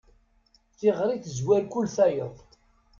Tiɣri tezwar kul tayeḍ.